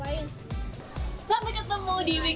sampai ketemu di weekend gateway minggu depan